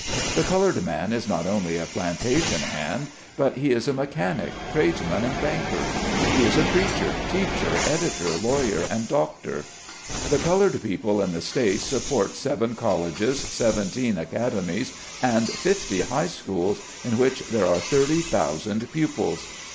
The colored man is not only a plantation hand, but he is a mechanic, tradesman and banker ; he is a preacher, teacher, editor, lawyer and doctor. The colored people in the States support seven colleges, seventeen academies and fifty high schools, in which there are thirty thousand pupils.